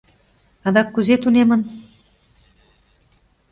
Адак кузе тунемын?